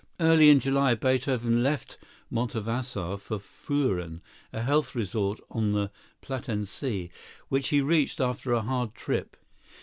] Early in July Beethoven left Montonvasar for Furen, a health resort on the Plattensee, which he reached after a hard trip.